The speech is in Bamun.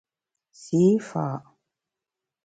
Sî fa’ !